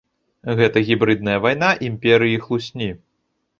Гэта гібрыдная вайна імперыі хлусні.